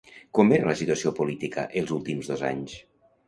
Com era la situació política els últims dos anys?